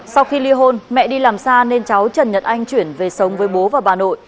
sau khi ly hôn mẹ đi làm xa nên cháu trần nhật anh chuyển về sống với bố và bà nội